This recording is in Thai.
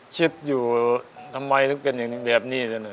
ชิดอยู่ทำไมถึงเป็นแบบนี้จริง